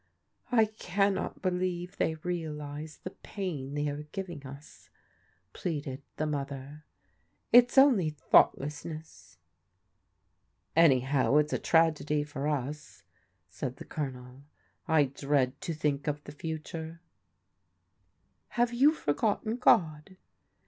I cannot believe they realize the pain they are giving us," pleaded the mother. " It's only thoughtlessness." "Anyhow, it's a tragedy for us," said the Colonel. " I dread to think of the future." " Have you forgotten God?